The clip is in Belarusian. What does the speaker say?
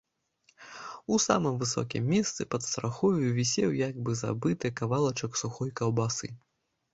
У самым высокім месцы пад страхою вісеў як бы забыты кавалачак сухой каўбасы.